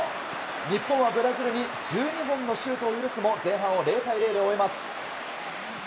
日本はブラジルに１２本のシュートを許すも前半を０対０で終えます。